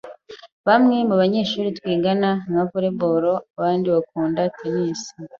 Bamwe mubanyeshuri twiganaga nka volley ball abandi bakunda tennis.